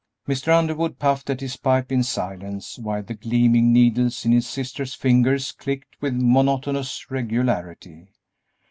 Mr. Underwood puffed at his pipe in silence, while the gleaming needles in his sister's fingers clicked with monotonous regularity.